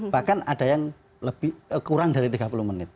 bahkan ada yang kurang dari tiga puluh menit